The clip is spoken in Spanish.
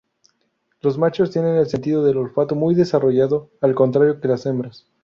Los machos tienen el sentido del olfato muy desarrollado, al contrario que las hembras.